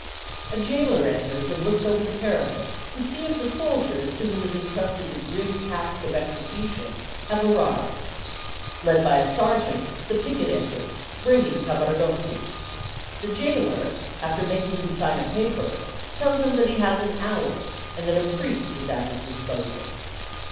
A gaoler enters and looks over the parapet to see if the soldiers to whom is entrusted the grim task of execution have arrived. Led by a sergeant, the picket enters, bringing Cavaradossi. The gaoler, after making him sign a paper, tells him that he has an hour, and that a priest is at his disposal.